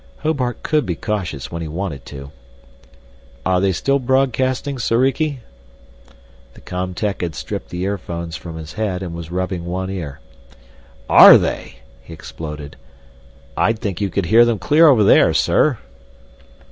Hobart could be cautious when he wanted to. "Are they still broadcasting, Soriki?" The com tech had stripped the earphones from his head and was rubbing one ear. "Are they!" he exploded. "I'd think you could hear them clear over there, sir!"